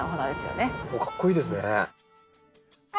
かっこいいですね。